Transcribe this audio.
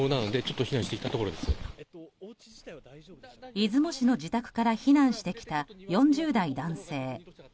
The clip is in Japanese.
出雲市の自宅から避難してきた４０代男性。